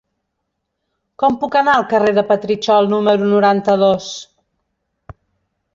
Com puc anar al carrer de Petritxol número noranta-dos?